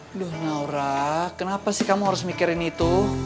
aduh naura kenapa sih kamu harus mikirin itu